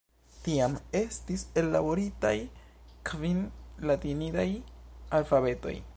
Tiam estis ellaboritaj kvin latinidaj alfabetoj.